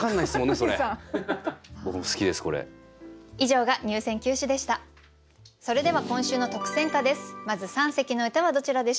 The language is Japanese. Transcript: それでは今週の特選歌です。